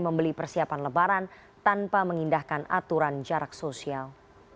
membeli persiapan lebaran tanpa mengindahkan aturan jarak sosial